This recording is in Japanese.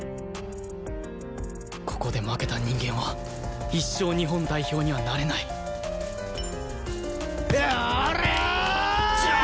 ここで負けた人間は一生日本代表にはなれないおりゃあ